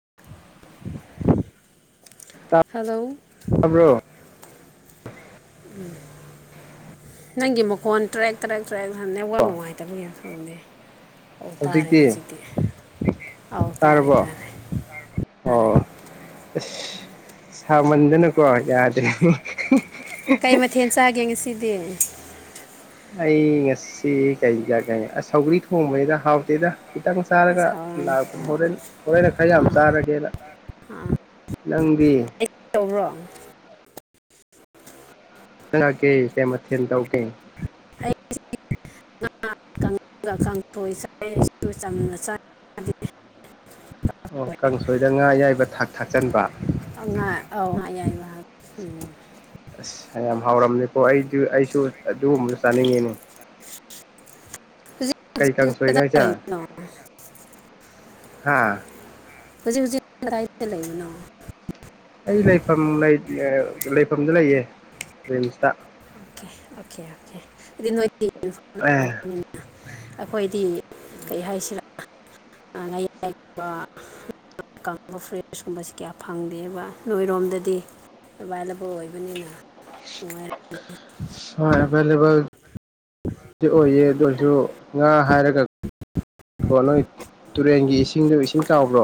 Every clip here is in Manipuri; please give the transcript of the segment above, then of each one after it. [unintelligible] ꯍꯂꯣ ꯇꯕ꯭ꯔꯣ [unintelligible] ꯅꯪꯒꯤ ꯃꯈꯣꯟ ꯇ꯭ꯔꯦꯛ ꯇ꯭ꯔꯦꯛ ꯇ꯭ꯔꯦꯛ ꯍꯥꯏ ꯅꯦꯠꯋꯥꯛ ꯅꯨꯡꯉꯥꯏꯇꯕꯒꯤꯔꯥ ꯈꯪꯗꯦ ꯑꯧ ꯇꯥꯔꯦ ꯍꯧꯖꯤꯛꯇꯤ ꯑꯥꯎ ꯇꯥꯔꯦ ꯇꯥꯔꯕꯣ ꯇꯥꯔꯦ ꯇꯥꯔꯦ ꯑꯣ ꯑꯁ ꯁꯥꯃꯟꯗꯨꯅꯀꯣ ꯌꯥꯗꯔ꯭ꯦ ꯀꯩ [unintelligible] ꯃꯊꯦꯜ ꯆꯥꯒꯦ ꯉꯁꯤꯗꯤ ꯑꯩ ꯉꯁꯤ ꯀꯩ ꯏꯟꯖꯡ ꯆꯥꯏ ꯁꯧꯒ꯭ꯔꯤ ꯊꯣꯡꯕꯅꯤꯗ ꯍꯥꯥꯎꯇꯦꯗ ꯈꯤꯇꯪ ꯆꯥꯔꯒ ꯑꯁ ꯍꯥꯎꯔꯅꯤ ꯂꯥꯛꯄ ꯍꯣꯔꯦꯟ ꯍꯣꯔꯦꯟ ꯈꯔ ꯌꯥꯝ ꯑꯥ ꯆꯥꯔꯒꯦꯅ ꯑꯥ ꯅꯪꯗꯤ ꯑꯩ ꯇꯧꯕ꯭ꯔꯣ [unintelligible] ꯀꯩ ꯃꯊꯦꯜ ꯇꯧꯒꯦ [unintelligible] ꯉꯥ [inaudible] ꯀꯥꯡꯁꯣꯏ [inaudible] ꯆ [inaudible] ꯆꯝꯅꯥ ꯆꯥ [inaudible] ꯗꯦ ꯑꯣ ꯀꯥꯡꯁꯣꯏꯗ ꯉꯥ ꯑꯌꯥꯏꯕ ꯊꯥ ꯊꯥꯛꯆꯟꯕ ꯑ [unintelligible] ꯑꯧ ꯉꯥ ꯑꯌꯥꯏꯕ ꯍꯞ ꯎꯝ ꯑꯁ ꯌꯥꯝ ꯍꯥꯎꯔꯝꯅꯤꯀꯣ ꯑꯩꯗꯤ ꯑꯩꯁꯨ ꯑꯗꯨꯒꯨꯝꯕ ꯆꯥꯅꯤꯡꯉꯤꯅꯦ ꯍꯧꯖꯤꯛ ꯀꯩ ꯍꯧꯖꯤꯛ ꯀꯥꯡꯁꯣꯏꯅꯣ ꯀꯗꯥꯏ ꯍꯥꯏꯖꯦ ꯂꯩꯕꯅꯣ ꯍꯥꯥ [inaudible] ꯂꯩꯕꯅꯣ ꯑꯩ ꯂꯩꯐꯝ ꯂꯩ ꯂꯩꯐꯝꯗ ꯂꯩꯌꯦ ꯔꯤꯝꯁꯇ ꯑꯣꯀꯦ ꯑꯣꯀꯦ ꯑꯣꯀꯦ ꯑꯦ [inaudible] [unintelligible] ꯑꯩꯈꯣꯏꯗꯤ ꯀꯩ ꯍꯥꯏꯁꯤ [unintelligible] [unintelligible] [unintelligible] ꯀꯨꯝꯕꯁꯤ ꯀꯌꯥ ꯐꯪꯗꯦꯕ ꯅꯣꯏꯔꯣꯝꯗꯗꯤ ꯑꯦꯕꯥꯏꯂꯦꯕꯜ ꯑꯣꯏꯕꯅꯤꯅ [unintelligible] [unintelligible] ꯑꯦꯚꯥꯏꯂꯦꯕꯜ ꯗꯤ ꯑꯣꯏꯌꯦ ꯑꯗꯨ ꯑꯣꯏꯔꯁꯨ ꯉꯥ ꯍꯥꯏꯔꯒ [unintelligible] ꯇꯨꯔꯦꯟꯒꯤ ꯏꯁꯤꯡꯗꯣ ꯏꯁꯤꯡ ꯆꯥꯎꯕ꯭ꯔꯣ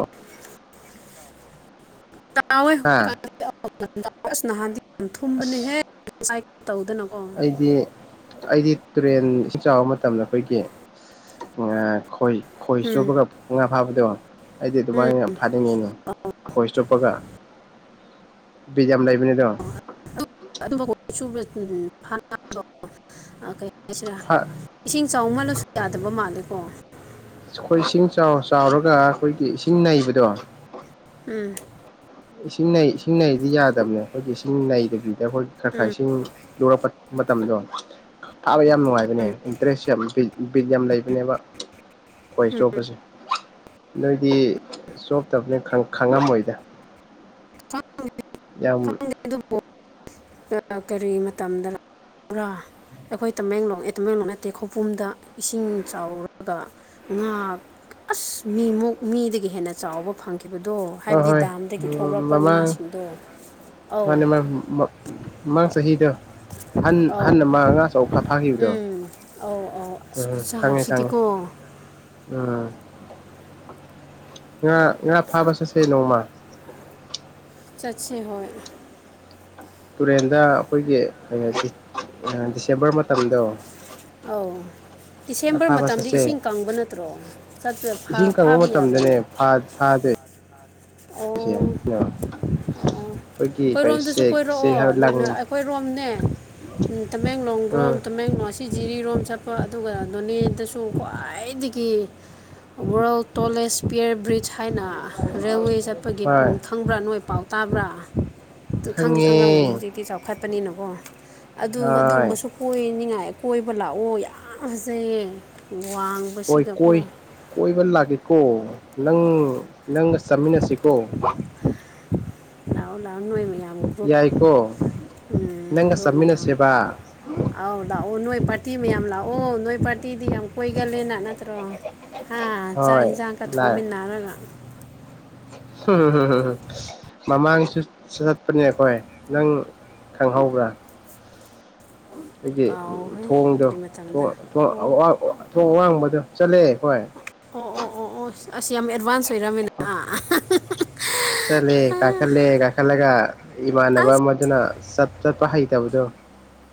ꯍꯥ [inaudible] ꯅꯍꯥꯟꯗꯤ [unintelligible] ꯊꯨꯝꯕꯅꯦꯍꯦ ꯑꯁ [unintelligible] ꯑꯩꯗꯤ ꯑꯩꯗꯤ ꯇꯨꯔꯦꯟ ꯏꯁꯤꯡ ꯆꯥꯎꯕ ꯃꯇꯝꯗ ꯑꯩꯈꯣꯏꯒꯤ [unintelligible] ꯈꯣꯏ ꯈꯣꯏ ꯆꯣꯞꯄꯒ ꯉꯥ ꯐꯥꯕꯗꯣ ꯑꯩꯗꯤ ꯎꯝ ꯑꯗꯨꯃꯥꯏꯅ ꯌꯥꯝ ꯐꯥꯅꯤꯡꯉꯤꯅꯦ ꯑꯧ ꯈꯣꯏ ꯆꯨꯞꯄꯒ [unintelligible] ꯂꯩꯕꯅꯦꯗꯣ [inaudible] ꯀꯩ ꯍꯥꯏꯁꯤꯔꯥ [unintelligible] ꯏꯁꯤꯡ ꯆꯥꯎꯃꯜꯂꯁꯨ ꯌꯥꯗꯕ ꯃꯥꯜꯂꯦꯀꯣ ꯑꯩꯈꯣꯏ ꯏꯁꯤꯡ ꯆꯥꯎꯔ ꯆꯥꯎꯔꯒ ꯑꯩꯈꯣꯏꯒꯤ ꯏꯁꯤꯡ ꯅꯩꯕꯗꯣ ꯎꯝ ꯏꯁꯤꯡ ꯅꯩ ꯏꯁꯤꯡ ꯅꯩꯗꯤ ꯌꯥꯗꯕꯅꯦ ꯑꯩꯈꯣꯏꯒꯤ ꯏꯁꯤꯡ ꯅꯩꯗꯕꯤꯗ ꯑꯩꯈꯣꯏ ꯈꯔ ꯈꯔ ꯎꯝ ꯏꯁꯤꯡ [unintelligible] ꯃꯇꯝꯗꯣ ꯊꯥꯕ ꯌꯥꯝ ꯌꯥꯝ ꯅꯨꯡꯉꯥꯏꯕꯅꯦ ꯎꯝ ꯏꯟꯇꯔꯦꯁ ꯌꯥꯝ ꯕꯤꯠ ꯕꯤꯠ ꯌꯥꯝ ꯂꯩꯕꯅꯦꯕ ꯈꯣꯏ ꯎꯝ ꯆꯣꯞꯄꯁꯦ ꯅꯪꯗꯤ ꯁꯣꯛꯇꯕꯅꯤꯅ ꯈꯪ ꯈꯪꯉꯝꯃꯣꯏꯗ ꯌꯥꯝ [inaudible] ꯀꯔꯤ ꯃꯇꯝꯗ [unintelligible] ꯑꯩꯈꯣꯏ ꯇꯃꯦꯡꯂꯣꯡ ꯑꯦ ꯇꯃꯦꯡꯂꯣꯡ ꯅꯠꯇꯦ ꯈꯧꯄꯨꯝꯗ ꯏꯁꯤꯡ ꯆꯥꯎꯔꯒ ꯉꯥ ꯑꯁ ꯃꯤꯃꯨꯛ ꯃꯤꯗꯒꯤ ꯍꯦꯟꯅ ꯆꯥꯎꯕ ꯐꯪꯈꯤꯕꯗꯣ ꯍꯣꯏ ꯍꯥꯏꯕꯗꯤ ꯍꯣꯏ ꯗꯥꯝꯗꯒꯤ ꯊꯣꯛꯂꯛ ꯃꯃꯥꯡ ꯃꯥꯅꯦ [unintelligible] ꯃꯃꯥꯡ ꯆꯍꯤꯗ ꯑꯍꯟ ꯑꯧ ꯑꯍꯟ ꯑꯃ ꯉꯥ ꯑꯆꯧꯕ ꯐꯥꯈꯤꯕꯗꯣ ꯎꯝ ꯑꯧ ꯑꯧ ꯑꯁ ꯈꯪꯉꯦ ꯈꯪꯉꯦ ꯈꯨꯠꯆꯥꯎꯁꯤꯗꯤꯀꯣ ꯑ ꯉꯥ ꯉꯥ ꯐꯥꯕ ꯆꯠꯁꯦ ꯅꯣꯡꯃ ꯆꯠꯁꯦ ꯍꯣꯏ ꯇꯨꯔꯦꯟꯗ ꯑꯩꯈꯣꯏꯒꯤ [unintelligible] ꯗꯤꯁꯦꯝꯕꯔ ꯃꯇꯝꯗꯣ ꯑ‌ꯧ ꯉꯥ ꯗꯤꯁꯦꯝꯕꯔ ꯐꯥꯕ ꯃꯇꯝꯗꯤ ꯆꯠꯁꯦ ꯏꯁꯤꯡ ꯀꯪꯕ ꯅꯠꯇ꯭ꯔꯣ ꯆꯠꯄꯗ ꯐꯥꯕ ꯌꯥꯕ꯭ꯔꯥꯅꯦ ꯐꯥꯗꯦ ꯑꯣ ꯑꯣ [unintelligible] ꯑꯩꯈꯣꯏꯔꯣꯝꯗꯁꯨ ꯆꯦꯛ ꯆꯦꯛ ꯀꯣꯏꯔꯛꯑꯣ [unintelligible] ꯍꯥꯏꯕ ꯂꯪ ꯑꯩꯈꯣꯏꯔꯣꯝꯅꯦ ꯎꯝ ꯎꯝ ꯇꯃꯦꯡꯂꯣꯡ [unintelligible] ꯇꯃꯦꯡ [unintelligible] ꯁꯤ ꯖꯤꯔꯤꯔꯣꯝ ꯆꯠꯄ ꯑꯗꯨꯒ ꯅꯣꯅꯦꯗꯁꯨ ꯈ꯭ꯋꯥꯏꯗꯒꯤ ꯋꯥꯔꯜ ꯇꯣꯂꯦꯖ ꯄꯤꯌꯔ ꯕ꯭ꯔꯤꯖ ꯍꯥꯏꯅ ꯔꯦꯜꯋꯦ ꯆꯠꯄꯒꯤ ꯍꯣꯏ ꯈꯪꯕ꯭ꯔꯥ ꯅꯣꯏ ꯄꯥꯎ ꯇꯥꯕ꯭ꯔꯥ ꯈꯪꯗꯤ ꯈꯪꯂꯝꯝꯒꯅꯤ ꯈꯪꯉꯦ ꯍꯧꯖꯤꯛꯇꯤ ꯆꯥꯎꯈꯠꯄꯅꯤꯅꯀꯣ ꯑꯗꯨ ꯍꯣꯏ ꯑꯗꯨꯒꯨꯝꯕꯁꯨ ꯀꯣꯏꯅꯤꯡꯉꯥꯏ ꯀꯣꯏꯕ ꯂꯥꯛꯑꯣ ꯌꯥꯝ ꯐꯖꯩꯌꯦ ꯋꯥꯡ ꯍꯣꯏ ꯀꯣꯏ ꯀꯣꯏꯕ ꯂꯥꯛꯀꯦꯀꯣ ꯅꯪ ꯅꯪꯒ ꯆꯠꯃꯤꯟꯅꯁꯤ ꯑꯣ ꯂꯥꯛꯑꯣ ꯂꯥꯛꯑꯣ ꯅꯣꯏꯃꯤ ꯌꯥ ꯌꯥꯏꯀꯣ ꯅꯪꯒ ꯆꯠꯃꯤꯟꯅꯁꯦꯕ ꯑꯥꯎ ꯂꯥꯛꯑꯣ ꯅꯣꯏ ꯄꯥꯔꯇꯤ ꯃꯌꯥꯝ ꯂꯥꯛꯑꯣ ꯅꯣꯏ ꯄꯥꯔꯇꯤꯗꯤ ꯌꯥꯝ ꯀꯣꯏꯒꯜꯂꯦꯅ ꯅꯠꯇ꯭ꯔꯣ ꯍꯥ ꯆꯥꯛ ꯍꯣꯏ ꯏꯟꯖꯥꯡꯒ ꯂꯥꯛꯑꯦ ꯊꯣꯡꯃꯤꯟꯅꯔꯒ [unintelligible] ꯃꯃꯥꯡꯁꯨ ꯆ ꯆꯠꯄꯅꯦ ꯑꯈꯣꯏ ꯅꯪ ꯈꯪꯍꯧꯕ꯭ꯔꯥ ꯎꯝ [unintelligible] ꯈꯣꯏꯒꯤ ꯀꯥꯎꯈ꯭ꯔꯦ ꯊꯣꯡꯗꯣ ꯀꯔꯤ ꯃꯇꯝꯗ ꯊꯣꯡ ꯊꯣꯡ ꯑꯣ ꯑꯋꯥ ꯑꯋꯥꯡꯕꯗꯣ ꯆꯠꯂꯦ ꯑꯈꯣꯏ ꯑꯣ ꯑꯣ ꯑꯣ ꯑꯣ ꯑꯁ ꯌꯥꯝ ꯑꯦꯗꯚꯥꯟꯁ ꯑꯣꯏꯔꯝꯃꯤꯅ ꯍꯥ ꯆꯠꯂꯦ ꯀꯥꯏꯈꯠꯂꯦ ꯀꯥꯈꯠꯂꯒ ꯏꯃꯥꯅꯕ ꯑꯁ ꯑꯃꯗꯨꯅ ꯆꯠ ꯆꯠꯄ ꯍꯩ ꯇꯧꯕꯗꯣ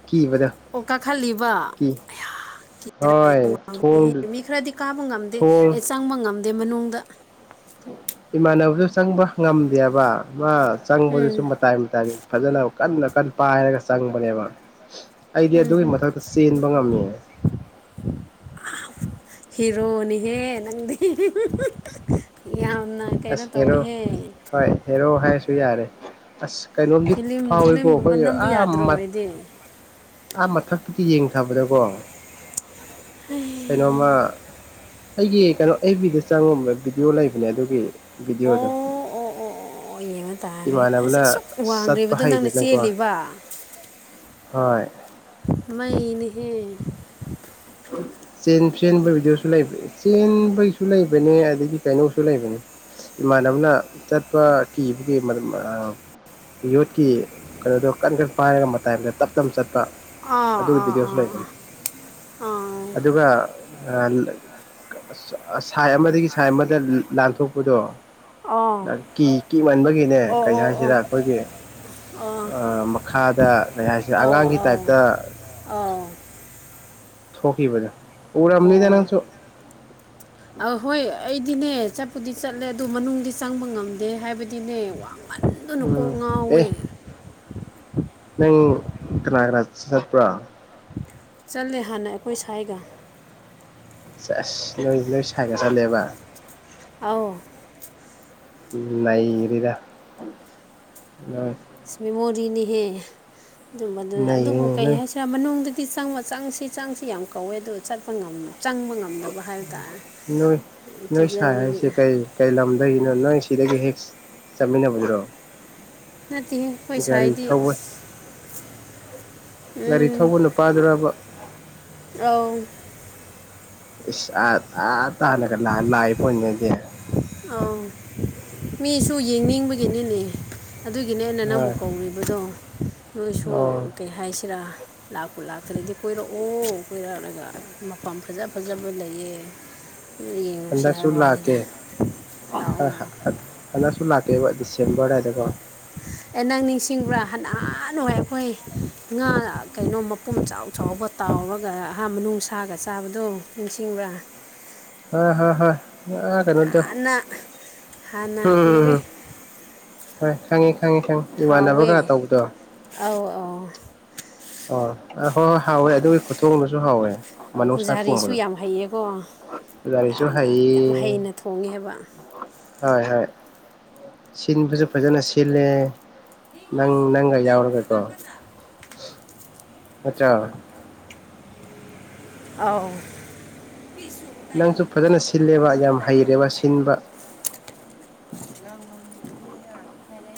ꯀꯤꯕꯗꯣ ꯑꯣ ꯀꯥꯈꯂꯤꯕ ꯀꯤ ꯑꯌꯥ ꯀꯤ ꯍꯣꯏ ꯌꯥꯝ ꯊꯣꯡ ꯋꯥꯡꯕꯅꯦꯍꯦ ꯃꯤ ꯈꯔꯗꯤ ꯀꯥꯕ ꯉꯝꯗꯦ ꯊꯣꯡ ꯑꯦ ꯆꯪꯕ ꯉꯝꯗꯦ ꯃꯅꯨꯡꯗ ꯏꯃꯥꯟꯅꯕꯁꯨ ꯆꯪꯕ ꯉꯝꯗꯦꯕ ꯃꯥ ꯆꯪꯕꯗꯨꯁꯨ ꯎꯝ ꯃꯇꯥꯏ ꯃꯇꯥꯏꯒꯤ ꯐꯖꯅ ꯀꯟꯅ ꯀꯟ ꯄꯥꯏꯔꯒ ꯆꯪꯕꯅꯦꯕ ꯑꯩꯗꯤ ꯎꯝ ꯑꯗꯨꯒꯤ ꯎꯝ ꯃꯊꯛꯇ ꯆꯦꯟꯕ ꯉꯝꯃꯤ [unintelligible] ꯍꯤꯔꯣꯅꯤꯍꯦ ꯅꯪꯗꯤ ꯌꯥꯝꯅ ꯀꯩꯅꯣ ꯑꯁ ꯍꯦꯔꯣ ꯇꯧꯋꯦꯍꯦ ꯍꯣꯏ ꯍꯦꯔꯣ ꯍꯥꯏꯔꯁꯨ ꯌꯥꯔꯦ ꯑꯁ ꯀꯩꯅꯣꯝꯗꯤ ꯐꯤꯂꯝ ꯐꯥꯎꯏꯀꯣ ꯐꯤꯂꯝꯒꯨꯝꯕ ꯑꯩꯈꯣꯏ ꯅꯝꯕ ꯑꯥ ꯌꯥꯗ꯭ꯔꯣ ꯃꯠ ꯑꯩꯗꯤ ꯑꯥ ꯃꯊꯛꯇꯒꯤ ꯌꯦꯡꯊꯕꯗꯀꯣ ꯀꯩꯅꯣꯃ ꯑꯩꯒꯤ ꯀꯩꯅꯣ ꯑꯦꯐ ꯕꯤꯗ ꯆꯪꯉꯨꯕ ꯕꯤꯗꯤꯑꯣ ꯂꯩꯕꯅꯦ ꯑꯗꯨꯒꯤ ꯑꯣ ꯕꯤꯗꯤꯑꯣꯗꯣ ꯑꯣ ꯑꯣ ꯑꯣ ꯑꯣ ꯌꯦꯡꯉ ꯇꯥꯔꯦ ꯑꯁ ꯏꯃꯥꯟꯅꯕꯅ ꯑꯁꯨꯛ ꯆꯠꯄ ꯋꯥꯡꯒꯔꯤꯕꯗꯣ ꯅꯪꯅ ꯍꯩꯗꯅꯀꯣ ꯆꯦꯜꯂꯤꯕ ꯍꯣꯏ ꯃꯩꯅꯤꯍꯦ [unintelligible] ꯆꯦꯟ ꯐꯂꯦꯟꯕꯩꯗꯨꯁꯨ ꯆꯦꯟ ꯕꯩꯁꯨ ꯂꯩꯕꯅꯦ ꯑꯗꯒꯤ ꯀꯩꯅꯣꯁꯨ ꯂꯩꯕꯅꯦ꯫ ꯏꯃꯥꯟꯅꯕꯅ ꯆꯠꯄ ꯀꯤꯕꯒꯤ ꯃꯔꯝ ꯑꯥ ꯌꯣꯠꯀꯤ ꯀꯩꯅꯣꯗꯣ ꯀꯟ ꯀꯟ ꯄꯥꯏꯔꯒ ꯃꯇꯥꯏꯗ ꯇꯞ ꯇꯞ ꯆꯠꯄ ꯑꯥ ꯑꯗꯨꯒꯤ ꯚꯤꯗꯤꯌꯣꯁꯨ ꯂꯩꯕꯅꯤ꯫ ꯑꯥ ꯑꯥ ꯑꯥ ꯑꯗꯨꯒ ꯑꯥ ꯂꯛ ꯀ ꯑ ꯁꯥꯏ ꯑꯃꯗꯒꯤ ꯁꯥꯏ ꯑꯃꯗ ꯂꯥ ꯂꯥꯟꯊꯣꯛꯄꯗꯣ ꯑꯥ ꯂ ꯀꯤ ꯀꯤꯃꯟꯕꯒꯤꯅꯦ ꯑꯣ ꯀꯩ ꯑꯣ ꯍꯥꯏꯁꯤꯔꯥ ꯑꯣ ꯑꯈꯣꯏꯒꯤ ꯑꯣ ꯑꯥ ꯃꯈꯥꯗ ꯂꯩ ꯍꯥꯏꯁꯤꯔ ꯑꯉꯥꯡꯒꯤ ꯇꯥꯏꯞꯇ ꯑꯥꯎ ꯊꯣꯛꯈꯤꯕꯗꯣ ꯎꯔꯝꯅꯤꯗ ꯅꯪꯁꯨ ꯑ ꯍꯣꯏ ꯑꯩꯗꯤꯅꯦ ꯆꯠꯄꯨꯗꯤ ꯆꯠꯂꯦ ꯑꯗꯨ ꯃꯅꯨꯡꯗꯤ ꯆꯪꯕ ꯉꯝꯗꯦ ꯍꯥꯏꯕꯗꯤꯅꯦ ꯋꯥꯡ ꯃꯟꯗꯨꯅ ꯀꯣꯛ ꯎꯝ ꯉꯥꯎꯋꯦ ꯑꯦ ꯅꯪ ꯀꯅꯥꯥ ꯀꯅꯥ ꯆꯠꯄꯔꯥ ꯆꯠꯂꯦ ꯍꯥꯟꯅ ꯑꯩꯈꯣꯏ ꯁꯥꯏꯒ ꯆꯦꯁ ꯅꯣꯏ ꯅꯣꯏ ꯁꯥꯏꯒ ꯆꯠꯂꯦꯕ꯫ ꯑꯥꯎ ꯅꯩꯔꯤꯗ ꯅꯣꯏ ꯏꯁ ꯃꯦꯃꯣꯔꯤꯅꯤꯍꯦ ꯑꯗꯨꯝꯕꯗꯨ ꯑꯗꯨꯕꯨ ꯅꯩꯔꯦꯅꯦ ꯀꯩ ꯅꯣꯏ ꯍꯥꯏꯁ ꯔ ꯃꯅꯨꯡꯗꯗꯤ ꯆꯪꯕ ꯆꯪꯁꯤ ꯆꯪꯁꯤ ꯌꯥꯝ ꯀꯧꯋꯦ ꯑꯗꯨ ꯆꯠꯄ ꯉꯝ ꯆꯪꯕ ꯉꯝ ꯗꯕ ꯍꯥꯏ ꯇꯥꯔꯦ ꯅꯣꯏ ꯅꯣꯏ ꯁꯥꯏ ꯀꯤꯖꯕꯒꯤ ꯍꯥꯏꯁꯦ ꯀꯩ ꯀꯩ ꯂꯝꯗꯒꯤꯅꯣ ꯅꯪ ꯁꯤꯗꯒꯤ ꯍꯦꯛ ꯆꯠꯃꯤꯟꯅꯕꯗꯨꯔꯣ ꯅꯠꯇꯦꯍꯦ ꯈꯣꯏ ꯒꯥꯔꯤ ꯁꯋꯥꯏꯗꯤ ꯊꯧꯕ ꯒꯥꯔꯤ ꯊꯧꯕ ꯅꯨꯄꯥꯗꯨꯔꯕ ꯑꯥꯎ ꯥꯏꯁ ꯑꯥ ꯑꯥ ꯇꯥꯅꯒ ꯂꯥꯥ ꯂꯥꯛꯏ ꯄꯣꯅꯤꯅꯦ ꯑꯗꯤ ꯑꯥꯎ ꯃꯤꯁꯨ ꯌꯦꯡꯅꯤꯡꯕꯒꯤꯅꯤꯅꯦ ꯑꯗꯨꯒꯤꯅꯦ ꯑꯩꯅ ꯅꯪꯕꯨ ꯍꯣꯏ ꯀꯧꯔꯤꯕꯗꯣ ꯅꯣꯏꯁꯨ ꯑꯣ ꯀꯩ ꯍꯥꯏꯁꯤꯔꯥ ꯂꯥꯛꯄꯨ ꯂꯥꯛꯇ꯭ꯔꯗꯤ ꯀꯣꯏꯔꯛꯑꯣ ꯀꯣꯏꯔꯛꯂꯒ ꯃꯐꯝ ꯐꯖ ꯐꯖꯕ ꯂꯩꯌꯦ [inaudible] ꯗꯨꯝ ꯌꯦꯡꯉꯨꯁꯤ ꯍꯥꯏꯕ ꯋꯥꯅꯤꯗ ꯍꯟ ꯂꯥꯛꯑꯣ ꯂꯥꯛꯑꯣ ꯍꯟ ꯍꯟꯗꯛꯁꯨ ꯂꯥꯛꯀꯦꯕ ꯗꯤꯁꯦꯝꯕꯔ ꯗꯥꯏꯗꯀꯣ ꯑꯦ ꯅꯪ ꯅꯤꯡꯁꯤꯡꯕ꯭ꯔꯥ ꯍꯅꯥꯅꯍꯥꯟꯋꯥꯢ ꯑꯩꯈꯣꯏ ꯉꯥ ꯀꯩꯅꯣ ꯃꯄꯨꯝ ꯆꯥꯎ ꯆꯥꯎꯕ ꯇꯥꯎꯔꯒ ꯑꯍꯥ ꯃꯅꯨꯡ ꯁꯥꯒ ꯆꯥꯕꯗꯣ ꯅꯤꯡꯁꯤꯡꯕ꯭ꯔꯥ ꯑ ꯍꯣꯢ ꯍꯣꯢ ꯑꯥ ꯀꯩꯅꯣꯗꯣ ꯍꯥꯟꯅ ꯍꯥꯟꯅ ꯀꯨꯏꯔꯦ ꯍꯝ ꯍꯣꯏ ꯈꯪꯉꯦ ꯈꯪꯉꯤ ꯈꯪꯉꯤ ꯍꯥꯎꯋꯦ ꯑꯧ ꯑꯧ ꯑꯣ ꯍꯣꯏ ꯍꯣꯏ ꯍꯥꯎꯋꯦ ꯑꯗꯨꯒꯤ ꯈꯨꯊꯣꯡꯗꯨꯁꯨ ꯍꯥꯎꯋꯦ ꯃꯅꯨꯡꯁꯥ ꯄꯨꯖꯥꯔꯤꯁꯨ ꯊꯣꯡꯕꯗꯣ ꯌꯥꯝ ꯍꯩꯌꯦꯀꯣ ꯒꯥꯔꯤꯁꯨ ꯌꯥꯝꯅ ꯌꯥꯝ ꯍꯩꯌꯦ ꯍꯩꯅ ꯊꯣꯡꯉꯦꯕ ꯍꯣꯏ ꯍꯣꯏ ꯁꯤꯟꯕꯁꯨ ꯐꯖꯅ ꯁꯤꯜꯂꯦ ꯅꯪ ꯅꯪꯒ ꯌꯥꯎꯔꯒꯀꯣ ꯑꯆꯥ ꯑꯥꯎ ꯅꯪꯁꯨ ꯐꯖꯅ ꯁꯤꯜꯂꯦꯕ ꯌꯥꯝ ꯍꯩꯔꯦꯕ ꯁꯤꯟꯕ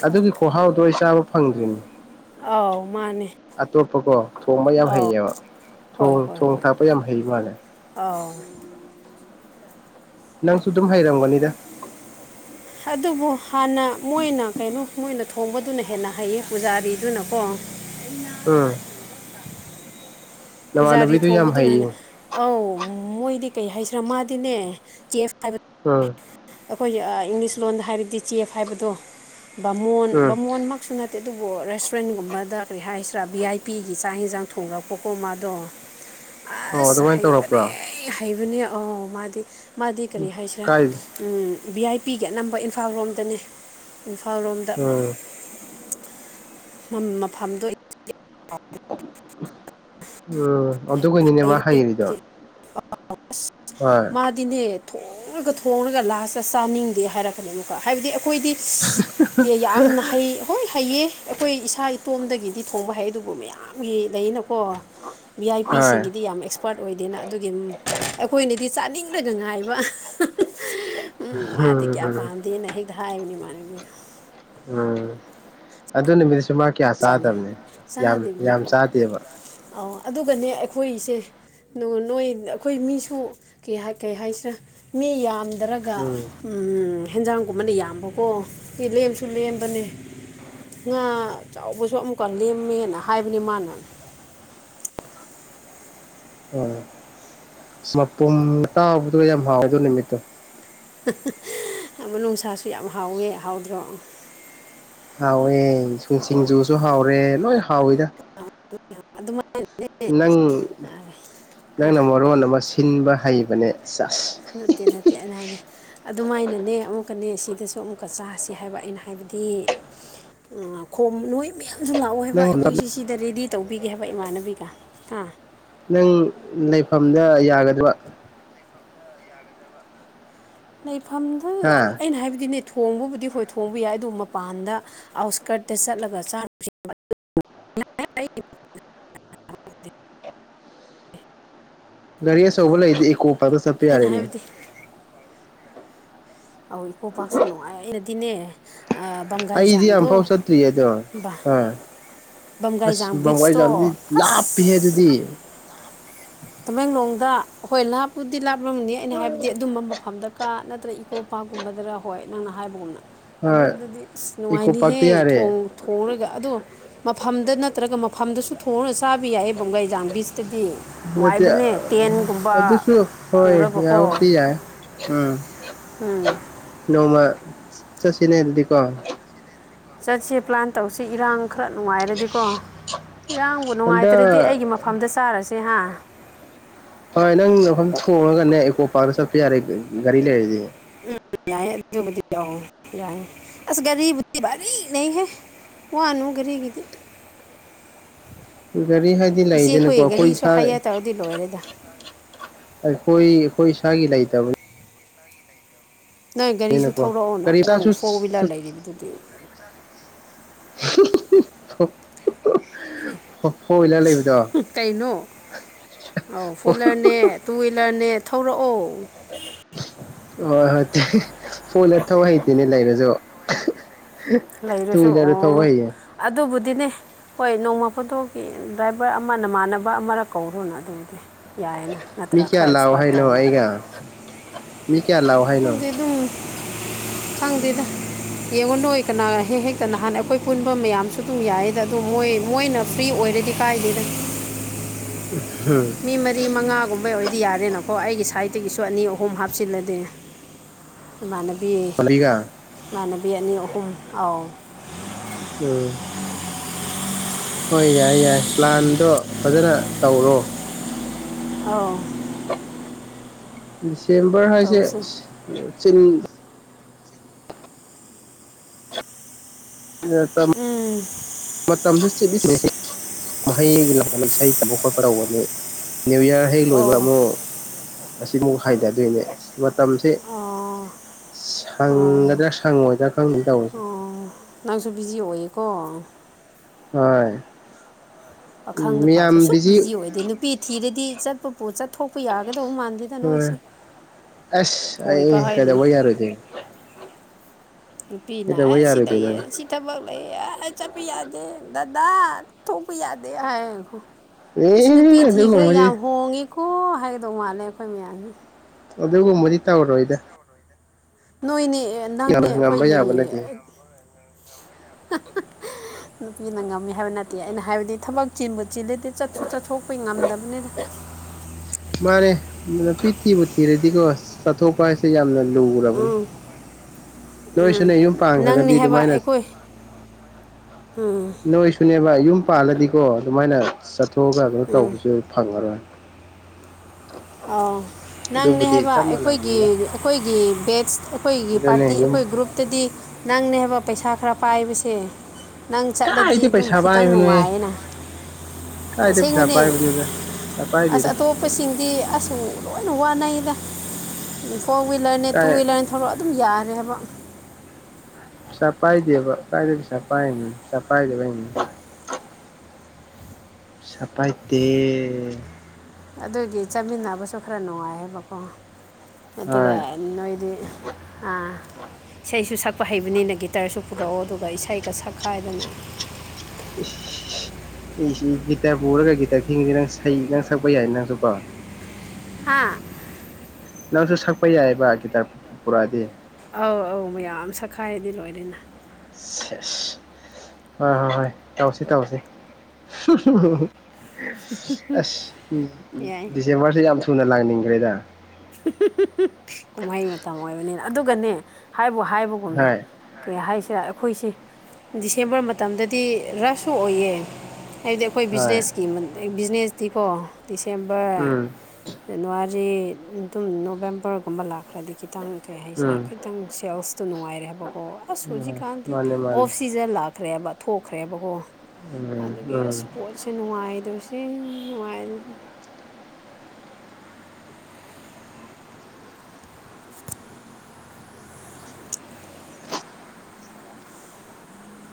ꯑꯗꯨꯒꯤ ꯈꯨꯍꯥꯎꯗꯣ ꯑꯩ ꯆꯥꯕ ꯐꯪꯗ꯭ꯔꯤꯅꯤ [unintelligible] ꯑꯥꯎ ꯃꯥꯅꯦ ꯑꯇꯣꯞꯄꯀꯣ ꯊꯣꯡꯕ ꯌꯥꯝ ꯑꯧ ꯍꯩꯌꯦꯕ ꯊꯣꯡ ꯊꯣꯡ ꯊꯥꯛꯄ ꯌꯥꯝ ꯍꯩ ꯃꯥꯜꯂꯦ [unintelligible] ꯑꯥꯎ ꯅꯪꯁꯨ ꯑꯗꯨꯝ ꯍꯩꯔꯝꯒꯅꯤꯗ ꯑꯗꯨꯕꯨ ꯍꯥꯟꯅ ꯃꯣꯏꯅ ꯀꯩꯅꯣ ꯃꯣꯏꯅ ꯊꯣꯡꯕꯗꯨꯅ ꯍꯦꯟꯅ ꯍꯩꯌꯦ ꯄꯨꯖꯥꯔꯤꯗꯨꯅꯀꯣ ꯎꯝ ꯄꯨꯖꯥꯔꯤ ꯅꯃꯥꯟꯅꯕꯤꯗꯨ ꯌꯥꯝ ꯊꯣꯡꯕꯗꯨꯅ ꯍꯦꯟꯅ ꯍꯩꯌꯦ ꯑꯧ ꯃꯣꯏꯗꯤ ꯀꯩ ꯍꯥꯏꯁꯤꯔꯥ ꯃꯥꯗꯤꯅꯦ ꯆꯦꯐ ꯍꯥꯏꯕ ꯎꯝ ꯑꯩꯈꯣꯏꯒꯤ ꯏꯪꯂꯤꯁ ꯂꯣꯟꯗ ꯍꯥꯏꯔꯗꯤ ꯆꯦꯐ ꯍꯥꯏꯕꯗꯣ ꯕꯥꯃꯣꯟ ꯎꯝ ꯕꯥꯃꯣꯟꯃꯛꯁꯨ ꯅꯠꯇꯦ ꯑꯗꯨꯕꯨ ꯔꯦꯁꯇ꯭ꯔꯨꯔꯦꯟꯒꯨꯝꯕꯗ ꯀꯔꯤ ꯍꯥꯏꯁꯤꯔꯥ ꯚꯤ ꯑꯥꯏ ꯄꯤꯒꯤ ꯆꯥꯛ ꯏꯟꯖꯥꯡ ꯊꯣꯡꯉꯔꯛꯄꯀꯣ ꯃꯥ ꯗꯣ ꯑꯣ ꯑꯁ ꯑꯗꯨꯃꯥꯏꯅ ꯍꯩꯕꯅꯦ ꯇꯧꯔꯛꯄ꯭ꯔꯣ ꯑꯩ ꯍꯩꯕꯅꯦ ꯑꯧ ꯃꯥꯗꯤ ꯃꯥꯗꯤ ꯀꯔꯤ ꯍꯥꯏꯁꯤꯔꯥ ꯀꯥꯏ ꯑꯝ ꯕꯤ ꯑꯥꯏ ꯄꯤꯒꯤ ꯑꯅꯝꯕ ꯏꯝꯐꯥꯜ ꯔꯣꯝꯗꯅꯦ ꯏꯝꯐꯥꯜ ꯔꯣꯝꯗ ꯎꯝ ꯃꯝ ꯃꯐꯝꯗꯣ ꯎꯝ ꯑꯗꯨꯒꯤꯅꯤꯅꯦ ꯃꯥ ꯍꯩꯔꯤꯗꯣ [unintelligible] ꯍꯣꯏ ꯃꯥ ꯗꯤꯅꯦ ꯊꯣꯡꯔꯥꯒ ꯊꯣꯡꯔꯥꯒ ꯂꯥꯁꯇ ꯆꯥꯅꯤꯡꯗꯦ ꯍꯥꯏꯔꯛꯀꯅꯦ ꯑꯃꯨꯛꯀꯥ ꯍꯥꯏꯕꯗꯤ ꯑꯩꯈꯣꯏꯗꯤ [unintelligible] ꯀꯦ ꯌꯥꯝꯅ ꯍꯩ ꯍꯣꯏ ꯍꯩꯌꯦ ꯑꯩꯈꯣꯏ ꯏꯁꯥ ꯏꯇꯣꯝꯗꯒꯤꯗꯤ ꯊꯣꯡꯕ ꯍꯩ ꯑꯗꯨꯕꯨ ꯃꯌꯥꯝꯒꯤ ꯂꯩꯅꯀꯣ ꯚꯤ ꯑꯥꯏ ꯍꯣꯏ ꯄꯤꯁꯤꯡꯒꯤꯗꯤ ꯌꯥꯝ ꯑꯦꯛꯁ ꯑꯦꯁꯄꯥꯥꯔꯠ ꯑꯣꯏꯗꯦꯅ ꯑꯗꯨꯒꯤ ꯑꯩꯈꯣꯏꯅꯗꯤ ꯆꯥꯅꯤꯡꯗꯅ ꯉꯥꯏꯕ ꯎꯝ ꯃꯥꯗꯤ ꯀꯌꯥ ꯄꯥꯝꯗꯦꯅ ꯍꯦꯛꯇ ꯍꯥꯏꯕꯅꯤ ꯏꯃꯥꯟꯅꯕꯤꯗꯣ ꯎꯝ ꯑꯗꯨ ꯅꯨꯃꯤꯠꯁꯨ ꯃ ꯆꯥꯗꯦꯕ [unintelligible] ꯑꯧ ꯑꯗꯨꯒꯅꯦ ꯑꯩꯈꯣꯏꯒꯤꯁꯦ ꯅꯣꯏ ꯅꯣꯏ ꯑꯩꯈꯣꯏ ꯃꯤꯁꯨ ꯀꯩ ꯀꯩ ꯍꯥꯏꯁꯤꯔ ꯃꯤ ꯌꯥꯝꯗ꯭ꯔꯒ ꯎꯝ ꯎꯝ ꯍꯦꯟꯖꯥꯡꯒꯨꯝꯕꯅ ꯌꯥꯝꯕꯀꯣ ꯑꯦ ꯂꯦꯝꯁꯨ ꯂꯦꯝꯕꯅꯦ ꯉꯥ ꯆꯥꯎꯕꯁꯨ ꯑꯃꯨꯛꯀ ꯂꯦꯝꯃꯦꯅ ꯍꯥꯏꯕꯅꯤ ꯃꯥꯅ ꯑꯣ ꯑꯁ ꯃꯄꯨꯝ ꯇꯥꯎꯕꯗꯨꯒ ꯌꯥꯝ ꯍꯥꯎꯗꯣ ꯑꯗꯨ ꯅꯨꯃꯤꯠꯇꯨ ꯑ ꯃꯅꯨꯡꯁꯥꯁꯨ ꯌꯥꯝ ꯍꯥꯎꯋꯦ ꯍꯥꯎꯗ꯭ꯔꯣ ꯍꯥꯎꯋꯦ ꯁꯤꯡꯖꯨꯁꯨ ꯍꯥꯎꯔꯦ ꯂꯣꯏ ꯍꯥꯎꯋꯤꯗ ꯑꯗꯨꯃꯥꯏꯅꯅꯦ ꯅꯪ ꯍꯥ ꯅꯪꯅ ꯃꯔꯣꯟ ꯑꯃ ꯁꯤꯟꯕ ꯍꯩꯕꯅꯦ ꯆꯁ ꯅꯠꯇꯦ ꯅꯠꯇꯦ ꯑꯩꯅ ꯍꯥꯏꯗꯤ ꯑꯗꯨꯃꯥꯏꯅꯅꯦ ꯑꯃꯨꯛꯀꯅꯦ ꯁꯤꯗꯁꯨ ꯑꯃꯨꯛꯀ ꯆꯥꯁꯤ ꯍꯥꯏꯕ ꯑꯩꯅ ꯍꯥꯏꯕꯗꯤ [unintelligible] ꯈꯣꯝ ꯅꯣꯏ ꯃꯌꯥꯝꯁꯨ ꯂꯥꯛꯑꯣ ꯍꯥꯏꯕ ꯅꯪ ꯑꯩꯈꯣꯏꯁꯦ ꯁꯤꯗ ꯔꯦꯗꯤ ꯇꯧꯕꯤꯒꯦ ꯍꯥꯏꯕ ꯏꯃꯥꯟꯅꯕꯤꯒ ꯑꯥ ꯅꯪ ꯂꯩꯐꯝꯗ ꯌꯥꯒꯗꯕ [unintelligible] ꯂꯩꯐꯝꯗꯨ ꯍꯥ ꯑꯩꯅ ꯍꯥꯏꯕꯗꯤꯅꯦ ꯊꯣꯡꯕꯕꯨꯗꯤ ꯍꯣꯏ ꯊꯣꯡꯕ ꯌꯥꯏ ꯑꯗꯨ ꯃꯄꯥꯟꯗ ꯑꯥꯎꯠꯁꯀꯔꯠꯇ ꯆꯠꯂꯒ ꯆꯥꯔꯨꯁꯤ ꯒꯥꯔꯤ ꯑꯆꯧꯕ ꯂꯩꯔꯗꯤ ꯏꯀꯣꯄꯥꯛꯇ ꯆꯠ ꯑꯩꯅ ꯍꯥꯏꯕꯗꯤ ꯑꯧ ꯏꯀꯣ ꯄꯥꯔꯛꯁꯨ ꯅꯨꯡꯉꯥꯏꯔꯗꯤꯅꯦ ꯑꯩꯗꯤ ꯑꯝꯐꯥꯎ ꯆꯠꯇ꯭ꯔꯤꯌꯦ ꯑꯗꯣ ꯑꯥ ꯑꯁ ꯕꯝꯒꯥꯏꯖꯥꯡ ꯕꯤꯆꯇꯣ ꯃꯋꯥꯏꯖꯥꯗꯤ ꯂꯥꯞꯄꯤꯍꯦ ꯑꯁ ꯑꯗꯨꯗꯤ ꯇꯃꯦꯡꯂꯣꯡꯗ ꯍꯣꯏ ꯂꯥꯞꯄꯨꯗꯤ ꯂꯥꯞꯂꯝꯒꯅꯤ ꯑꯩꯅ ꯍꯥꯏꯕꯗꯤ ꯑꯗꯨꯝꯕ ꯃꯐꯝꯗ ꯀꯥ ꯅꯠꯇ꯭ꯔꯒ ꯏꯀꯣ ꯄꯥꯔꯛꯀꯨꯝꯕꯗꯔ ꯍꯣꯏ ꯅꯪꯅ ꯍꯥꯏꯕꯒꯨꯝꯅ ꯑꯗꯨ ꯍꯣꯏ ꯑꯗꯨꯗꯤ ꯑꯁ ꯏꯀꯣ ꯅꯨꯡꯉꯥꯏꯅꯤꯍꯦ ꯄꯥꯔꯛꯇ ꯌꯥꯔꯦ ꯊꯣꯡ ꯊꯣꯡꯔꯒ ꯑꯗꯣ ꯃꯐꯝꯗ ꯅꯠꯇ꯭ꯔꯒ ꯃꯐꯝꯗꯁꯨ ꯊꯣꯡꯔꯒ ꯆꯥꯕ ꯌꯥꯏꯌꯦꯕ ꯒꯩꯖꯥꯡ ꯕꯤꯁꯇꯗꯤ ꯅꯠꯇ ꯑꯗꯨꯁꯨ ꯍꯣꯏ ꯄꯨꯔꯒꯀꯣ ꯌꯥꯕꯨꯗꯤ ꯌꯥꯏ ꯎꯝ ꯎꯝ ꯅꯣꯡꯃ ꯆꯠꯁꯤꯅꯦ ꯑꯗꯨꯗꯤꯀꯣ ꯆꯠꯁꯦ ꯄ꯭ꯂꯥꯟ ꯇꯧꯁꯤ ꯏꯔꯥꯡ ꯈꯔ ꯅꯨꯡꯉꯥꯏꯔꯗꯤꯀꯣ ꯏꯔꯥꯡꯕꯨ ꯅꯨꯡꯉꯥꯏꯇ꯭ꯔꯗꯤ ꯍꯟꯗꯛ ꯑꯩꯒꯤ ꯃꯐꯝ ꯐꯝꯗ ꯆꯥꯔꯁꯦ ꯍꯥꯥ ꯍꯣꯏ ꯅꯪ ꯃꯐꯝ ꯊꯣꯡꯉꯒꯅꯦ ꯑꯦꯀꯣ ꯄꯥꯔꯛꯇ ꯆꯠꯄ ꯌꯥꯔꯦ ꯒꯥꯔꯤ ꯂꯩꯔꯗꯤ ꯌꯥꯏ ꯑꯗꯨꯕꯨꯗꯤ ꯌꯣ ꯌꯥꯏ ꯑꯁ ꯒꯥꯔꯤꯕꯨꯗꯤ ꯕꯥꯔꯤ ꯂꯩꯍꯦ ꯋꯥꯅꯨ ꯒꯔꯤꯒꯤꯗꯤ [inaudible] ꯒꯥꯔꯤ ꯍꯥꯏꯗꯤ ꯏꯆꯦ ꯂꯩꯗꯅꯀꯣ ꯑꯩꯈꯣꯏ ꯒꯥꯔꯤꯁꯨ ꯏꯁꯥ ꯍꯥꯏꯌꯔ ꯇꯧꯔꯗꯤ ꯂꯣꯏꯔꯦꯗ ꯑꯩꯈꯣꯏ ꯑꯩꯈꯣꯏ ꯏꯁꯥꯒꯤ ꯂꯩꯇ ꯅꯪ ꯒꯥꯔꯤꯁꯨ ꯊꯧꯔꯛꯑꯣꯅ ꯒꯥꯔꯤ ꯅꯪ ꯃꯆꯥꯁꯨ ꯐꯣꯔ ꯍ꯭ꯋꯤꯂꯔ ꯂꯩꯔꯤꯕꯗꯨꯗꯤ [unintelligible] [unintelligible] ꯀꯩꯅꯣ ꯑꯧ ꯍꯣꯏ ꯐꯣꯂꯔꯅꯦ ꯇꯨ ꯋꯤꯂꯔꯅꯦ ꯊꯧꯔꯛꯑꯣ ꯍꯣꯏ ꯍꯣꯏꯦ ꯐꯣꯟꯅ ꯊꯥ ꯍꯩꯇꯦꯅꯦ ꯂꯩꯔꯁꯨ ꯍꯦꯍ ꯇꯨ ꯂꯩꯔꯁꯨ ꯋ꯭ꯍꯤꯂꯔ ꯊꯧꯕ ꯑꯣ ꯍꯩꯌꯦ ꯑꯗꯨꯕꯨꯗꯤꯅꯦ ꯍꯣꯏ ꯅꯣꯡꯃ ꯐꯣꯇꯣꯒꯤ ꯗ꯭ꯔꯥꯏꯚꯔ ꯑꯃꯅ ꯃꯥꯟꯅꯕ ꯑꯃꯔꯛ ꯀꯧꯔꯣꯅ ꯑꯗꯨꯗꯤ ꯌꯥꯏꯌꯦꯅ ꯃꯤ ꯀ꯭ꯌꯥ ꯂꯥꯛꯑꯣ ꯍꯥꯏꯅꯣ ꯑꯩꯒ ꯃꯤ ꯀ꯭ꯌꯥ ꯂꯥꯛꯑꯣ ꯍꯥꯏꯅꯣ ꯍꯧꯖꯤꯛ ꯑꯗꯨꯝ ꯈꯪꯗꯦꯗ ꯌꯦꯡꯉꯣ ꯅꯣꯏ ꯀꯅꯥ ꯍꯦꯛ ꯍꯦꯛꯇ ꯅꯍꯥꯟ ꯑꯩꯈꯣꯏ ꯄꯨꯟꯕ ꯃꯌꯥꯝꯁꯨ ꯑꯗꯨꯝ ꯌꯥꯏꯌꯦꯗ ꯑꯗꯨ ꯃꯣꯏ ꯃꯣꯏꯅ ꯐ꯭ꯔꯤ ꯑꯣꯏꯔꯗꯤ ꯀꯥꯏꯗꯦꯗ [unintelligible] ꯃꯤ ꯃꯔꯤ ꯃꯉꯥꯒꯨꯝꯕꯩ ꯑꯣꯏꯗꯤ ꯌꯥꯔꯦꯅꯀꯣ ꯑꯩꯒꯤ ꯁꯥꯏꯠꯇꯒꯤꯁꯨ ꯑꯅꯤ ꯑꯍꯨꯝ ꯍꯥꯞꯆꯤꯜꯂꯗꯤ ꯏꯃꯥꯟꯅꯕꯤ ꯄꯥꯝꯕꯤꯒ ꯏꯃꯥꯟꯅꯕꯤ ꯑꯅꯤ ꯑꯍꯨꯝ ꯑꯥꯎ ꯌꯥꯏ ꯍꯣꯏ ꯌꯥꯏ ꯌꯥꯏ ꯄ꯭ꯂꯥꯟꯗꯣ ꯐꯖꯅ ꯇꯧꯔꯣ ꯑꯥꯎ ꯗꯤꯁꯦꯝꯕꯔ ꯍꯥꯏꯁꯦ ꯇꯧꯁꯤ ꯏꯁ ꯆꯤꯟ [unintelligible] ꯇꯝ ꯏꯁ ꯃꯇꯝ ꯆꯤꯟꯗꯤ ꯆꯤꯟꯂꯦ ꯃꯍꯩꯒꯤ [unintelligible] ꯏꯁꯩ ꯇꯝꯕ ꯈꯣꯠꯄ ꯇꯧꯕꯒꯤ ꯅ꯭ꯌꯨ ꯌ꯭ꯔ ꯍꯦꯛ ꯂꯣꯏꯕ ꯑꯧ ꯑꯃꯨꯛ ꯑꯁꯤꯃꯨꯛ ꯍꯥꯏꯗꯗꯣꯏꯅꯦ ꯃꯇꯝꯁꯦ ꯑꯣ ꯑꯣ ꯁꯪꯒꯗ꯭ꯔꯥ ꯁꯪꯉꯣꯏꯗ꯭ꯔꯥ ꯈꯪꯗꯅꯦ ꯇꯧꯔꯤꯁꯦ ꯑꯣ ꯅꯪꯁꯨ ꯕꯤꯖꯤ ꯑꯣꯏꯌꯦꯀꯣ ꯍꯣꯏ ꯄꯥꯈꯪꯗ ꯐꯥꯎ ꯁꯨ ꯁꯨꯛ ꯕꯤꯖꯤ ꯑꯣꯏꯗꯤ ꯅꯨꯄꯤ ꯊꯤꯔꯗꯤ ꯆꯠꯄꯕꯨ ꯆꯠꯊꯣꯛꯄ ꯌꯥꯒꯗꯧ ꯃꯥꯟꯗꯦ ꯍꯣꯏ ꯑꯁ ꯑꯩ ꯍꯣꯏꯒ ꯍꯥꯏꯔꯤ ꯀꯩꯗꯧꯕꯩ ꯌꯥꯔꯣꯏꯗꯣꯏꯅꯣ ꯕꯤꯅꯥ ꯀꯩꯗꯧꯕ ꯑꯁ ꯁꯤ ꯂꯩꯥꯏꯌꯦ ꯌꯥꯔꯣꯏꯗꯣꯏꯅꯣ ꯁꯤ ꯊꯕꯛ ꯂꯩꯌꯦ ꯑ ꯆꯠꯄ ꯌꯥꯗꯦ ꯗꯗꯥ ꯊꯣꯛꯄ ꯌꯥꯗꯦ ꯍꯥꯏꯌꯦ ꯏꯁꯁ ꯅꯨꯄꯤ ꯑꯦ ꯊꯤꯈ꯭ꯔꯦ ꯑꯗꯨꯒꯨꯝꯕꯗꯤ ꯌꯥꯝ ꯍꯣꯡꯉꯦꯀꯣ ꯍꯥꯏꯒꯗꯧ ꯃꯥꯜꯂꯦ ꯑꯩꯈꯣꯏ ꯃꯌꯥꯝꯁꯦ ꯑꯗꯨꯒꯨꯝꯕꯗꯤ ꯇꯧꯔꯣꯏꯗ ꯅꯣꯏꯅꯦ ꯑ ꯅꯪꯅꯦ ꯉꯝꯕ ꯑꯩꯈꯣꯏꯒꯤ ꯌꯥꯕ ꯅꯠꯇꯦ ꯍꯥꯍꯥ ꯅꯨꯄꯤꯅ ꯉꯝꯃꯦ ꯍꯥꯏꯕ ꯅꯠꯇꯦ ꯑꯩꯅ ꯍꯥꯏꯕꯗꯤ ꯊꯕꯛ ꯆꯤꯟꯕꯨ ꯆꯤꯟꯂꯗꯤ ꯆꯠꯁꯨ ꯆꯠꯊꯣꯛꯄ ꯉꯝꯗꯕ꯭ꯅꯤꯗ ꯃꯥꯅꯦ ꯅꯨꯄꯤ ꯊꯤꯕꯨ ꯊꯤꯔꯗꯤꯀꯣ ꯆꯠꯊꯣꯛꯄ ꯍꯥꯏꯁꯦ ꯌꯥꯝꯅ ꯂꯨꯔꯕꯅꯦ ꯎꯝ ꯎꯝ ꯅꯪꯅꯦ ꯄꯥꯟꯈ꯭ꯔꯒꯗꯤ ꯍꯥꯏꯕ ꯑꯗꯨꯃꯥꯏꯅ ꯑꯩꯈꯣꯏ ꯎꯝ ꯅꯣꯏꯁꯨꯅꯦꯕ ꯌꯨꯝ ꯄꯥꯜꯂꯗꯤꯀꯣ ꯑꯗꯨꯃꯥꯏꯅ ꯆꯠꯊꯣꯛꯑꯒ ꯀꯩꯅꯣ ꯎꯝ ꯇꯧꯕꯁꯨ ꯐꯪꯉꯔꯣꯏ ꯑ ꯅꯪꯅꯦ ꯑꯗꯨꯕꯨꯗꯤ ꯍꯥꯏꯕ ꯆꯞ ꯑꯩꯈꯣꯏꯒꯤ ꯃꯥꯟꯅꯕꯅꯤꯅ ꯑꯩꯈꯣꯏꯒꯤ ꯕꯦꯠꯁ ꯑꯩꯈꯣꯏꯒꯤ ꯑꯗꯨꯅꯦ ꯄꯥꯔꯇꯤ ꯌꯨꯝ ꯑꯩꯈꯣꯏ ꯒ꯭ꯔꯨꯞꯇꯗꯤ ꯅꯪꯅꯦ ꯍꯥꯏꯕ ꯄꯩꯁꯥ ꯈꯔ ꯄꯥꯏꯕꯁꯦ ꯅꯪ ꯆꯠꯂꯗꯤ ꯀꯥꯏꯗꯤ ꯑꯗꯨꯝ ꯄꯩꯁꯥ ꯈꯤꯇꯪ ꯄꯥꯏꯕꯅꯣꯍꯦ ꯅꯨꯡꯉꯥꯏꯌꯦꯅ ꯀꯥꯏꯗ ꯄꯩꯁꯥ ꯑꯁꯦꯡꯕꯅꯦ ꯄꯥꯏꯕꯅꯣꯗ ꯄꯩꯁꯥ ꯑꯁ ꯄꯥꯏꯗꯦꯗ ꯑꯇꯣꯞ ꯄꯁꯤꯡꯗꯤ ꯑꯁ ꯂꯣꯏꯅ ꯋꯥꯅꯩꯗ ꯐꯣꯔ ꯍ꯭ꯋꯤꯂꯔꯅꯦ ꯇꯨ ꯀꯥꯏ ꯍ꯭ꯋꯤꯂꯔ [unintelligible] ꯑꯗꯨꯝ ꯌꯥꯔꯦ ꯍꯥꯏꯕ ꯄꯩꯁꯥ ꯄꯥꯏꯗꯦꯕ ꯀꯥꯏꯗꯩ ꯁꯩꯁꯥ ꯄꯥꯏꯔꯤꯅꯣ ꯄꯩꯁꯥ ꯄꯥꯏꯗꯕꯩꯅꯤ ꯁꯥ ꯄꯥꯏꯗꯦ ꯑꯗꯨꯒꯤ ꯆꯠꯃꯤꯟꯅꯕꯁꯨ ꯈꯔꯥ ꯅꯨꯡꯉꯥꯏꯌꯦꯕꯀꯣ ꯑꯗꯨꯒ ꯍꯣꯏ ꯅꯣꯏꯗꯤ ꯑꯥ ꯏꯁꯩꯁꯨ ꯁꯛꯄ ꯍꯩꯕꯅꯤꯅ ꯒꯤꯇꯔꯁꯨ ꯄꯨꯔꯛꯑꯣ ꯑꯗꯨꯒ ꯏꯁꯩꯒ ꯁꯛꯈꯥꯏꯗꯅ ꯏꯁ [unintelligible] ꯒꯤꯇꯔ ꯄꯨꯔꯒ ꯒꯤꯇꯔ ꯈꯤꯉꯔꯗꯤ ꯅꯪꯁꯩ ꯁꯩ ꯅꯡ ꯁꯛꯄ ꯌꯥꯏ ꯅꯪꯁꯨ ꯀꯣ ꯍꯥꯥ ꯅꯪꯁꯨ ꯁꯛꯄ ꯌꯥꯏꯑꯕ ꯒꯤꯇꯔ ꯄꯨꯔꯛꯑꯗꯤ ꯑꯧ ꯑꯧ ꯃꯌꯥꯝ ꯁꯛꯈꯥꯏꯗꯤ ꯂꯣꯏꯔꯦꯅ ꯁꯦꯁ ꯍꯣꯏ ꯍꯣꯏ ꯍꯣꯏ ꯇꯧꯁꯤ ꯇꯧꯁꯤ ꯍꯝ ꯍꯝ ꯍꯝ ꯑꯁ ꯎꯝ ꯌꯥꯏ ꯗꯤꯁꯦꯝꯕꯔꯁꯦ ꯌꯥꯝ ꯊꯨꯅ ꯂꯥꯡꯅꯤꯡꯈ꯭ꯔꯦꯗ ꯍꯝꯍꯝꯍꯝ ꯀꯨꯝꯍꯩ ꯃꯇꯝ ꯑꯣꯏꯕꯅꯤꯅ ꯑꯗꯨꯒꯅꯦ ꯍꯥꯏꯕꯨ ꯍꯥꯏꯕꯒꯨꯝꯅ ꯍꯣꯏ ꯀꯩ ꯍꯥꯏꯁꯤꯔ ꯑꯩꯈꯣꯏꯁꯦ ꯗꯤꯁꯦꯝꯕꯔ ꯃꯇꯝꯗꯗꯤ ꯔꯁꯁꯨ ꯑꯣꯏꯌꯦ ꯍꯥꯏꯕꯗꯤ ꯑꯩꯈꯣꯏ ꯍꯣꯏ ꯕꯤꯖꯤꯅꯦꯁꯀꯤ ꯕꯤꯖꯤꯅꯦꯁꯇꯤꯀꯣ ꯗꯤꯁꯦꯝꯕꯔ ꯎꯝ ꯖꯟꯅꯋꯥꯔꯤ ꯑꯗꯨꯝ ꯅꯣꯕꯦꯝꯕꯔꯒꯨꯝꯕ ꯂꯥꯛꯈ꯭ꯔꯗꯤ ꯈꯤꯇꯪ ꯀꯩ ꯍꯥꯏꯁꯤꯔꯥ ꯎꯝ ꯈꯤꯇꯪ ꯁꯦꯜꯁꯇꯣ ꯅꯨꯡꯉꯥꯏꯔꯦ ꯍꯥꯏꯕꯀꯣ ꯑꯁ ꯎꯝ ꯍꯧꯖꯤꯛꯀꯥꯟꯗꯤ ꯃꯥꯅꯦ ꯃꯥꯅꯦ ꯑꯣꯐ ꯁꯤ ꯁꯤꯖꯜ ꯂꯛꯈ꯭ꯔꯦꯕ ꯊꯣꯛꯈ꯭ꯔꯦꯕꯀꯣ ꯎꯝ ꯑꯗꯨꯒꯤ ꯎꯝ ꯑꯁ ꯄꯣꯠꯁꯦ ꯅꯨꯡꯉꯥꯏꯇꯕꯁꯤ ꯅꯨꯡꯉꯥꯏꯇꯕꯁꯤ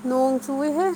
ꯅꯣꯡ ꯆꯨꯋꯦ ꯍꯦ